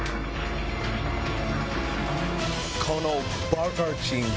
このバカチンが！